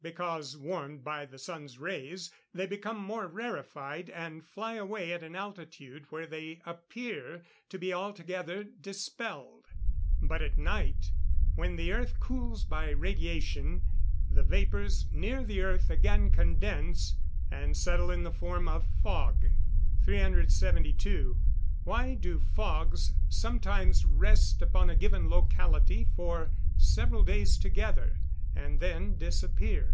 _ Because, warmed by the sun's rays, they become more rarefied, and fly away at an altitude where they appear to be altogether dispelled; but at night, when the earth cools by radiation, the vapours near the earth again condense, and settle in the form of fog. 372. _Why do fogs sometimes rest upon a given locality for several days together, and then disappear?